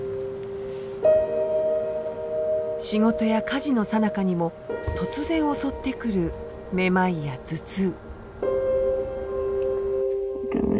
仕事や家事のさなかにも突然襲ってくるめまいや頭痛